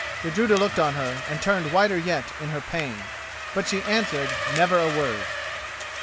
Gudruda looked on her and turned whiter yet in her pain, but she answered never a word.